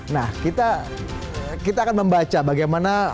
nah kita akan membaca bagaimana